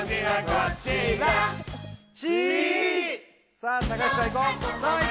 さあ高橋さんい